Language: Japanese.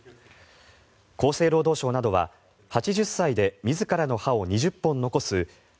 厚生労働省などは８０歳で自らの歯を２０本残す８０２０